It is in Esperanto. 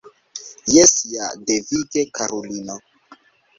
Jes ja, devige, karulino.